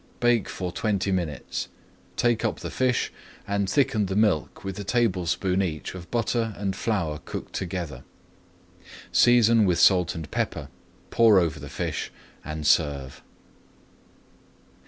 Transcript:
Bake for twenty minutes, take up the fish, and thicken the milk with a tablespoonful each of butter and flour cooked together. Season with salt and pepper, pour over the fish, and serve.